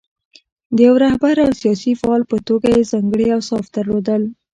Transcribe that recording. د یوه رهبر او سیاسي فعال په توګه یې ځانګړي اوصاف درلودل.